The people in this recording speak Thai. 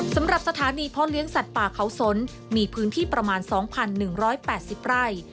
สำหรับสถานีพ่อเลี้ยงสัตว์ป่าเขาสนมีพื้นที่ประมาณ๒๑๘๐ไร่